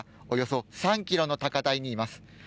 およそ３ｋｍの高台にいます。